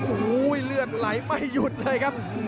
โอ้โหเลือดไหลไม่หยุดเลยครับ